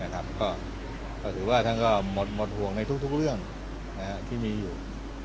ก็ถือว่าท่านก็หมดห่วงในทุกเรื่องที่มีอยู่